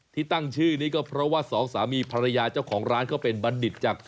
ที่ตั้งชื่อนี้ก็เพราะว่าสองสามีภรรยาเจ้าของร้านเขาเป็นบัณฑิตจาก